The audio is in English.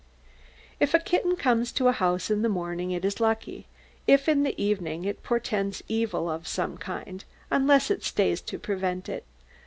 If a kitten comes to a house in the morning, it is lucky; if in the evening, it portends evil of some kind, unless it stays to prevent it.